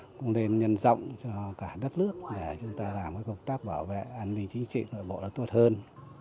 cũng nên nhân rộng cho cả đất nước để chúng ta làm cái công tác bảo vệ an ninh chính trị nội bộ nó tốt hơn